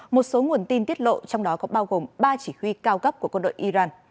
một số nguồn tin tiết lộ trong đó có bao gồm ba chỉ huy cao cấp của quân đội iran